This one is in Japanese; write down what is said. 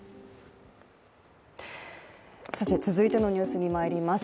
続いてのニュースにまいります。